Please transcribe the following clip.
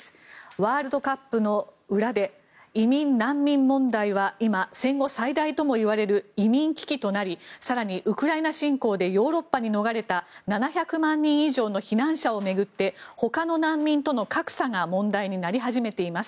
ワールドカップの裏で移民・難民問題は今、戦後最大ともいわれる移民危機となり更に、ウクライナ侵攻でヨーロッパに逃れた７００万人以上の避難者を巡ってほかの難民との格差が問題になり始めています。